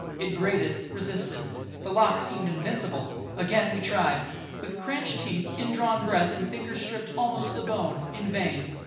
It grated, resisted; the lock seemed invincible. Again we tried, with cranched teeth, indrawn breath, and fingers stripped almost to the bone,—in vain.